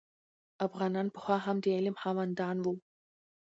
افغانان پخوا هم د علم خاوندان وو.